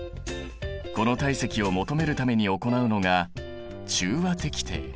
この体積を求めるために行うのが中和滴定。